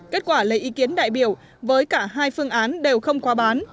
kết quả lấy ý kiến đại biểu với cả hai phương án đều không qua bán